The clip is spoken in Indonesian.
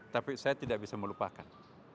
tapi saya tidak bisa melupakan